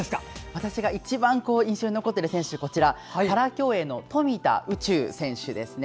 私が一番印象に残っている選手はパラ競泳の富田宇宙選手ですね。